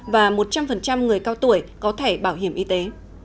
và một trăm linh người cao tuổi có thẻ bảo hiểm y tế